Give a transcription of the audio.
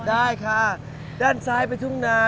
ได้ค่ะด้านซ้ายเป็นทุ่งนา